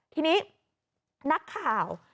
ทีนี้นักข่าว